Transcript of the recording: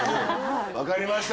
わかりました。